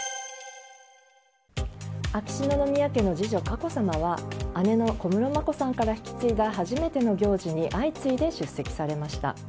秋篠宮家の次女・佳子さまは姉の小室眞子さんから引き継いだ初めての行事に相次いで出席されました。